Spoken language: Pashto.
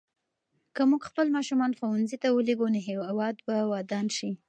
که موږ خپل ماشومان ښوونځي ته ولېږو نو هېواد به ودان شي.